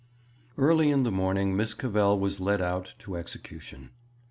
Early in the morning Miss Cavell was led out to execution.